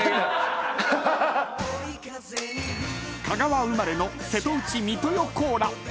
［香川生まれの瀬戸内三豊コーラ］